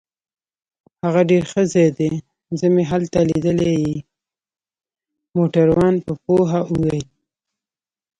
هغه ډیر ښه ځای دی، زه مې هلته لیدلی يې. موټروان په پوهه وویل.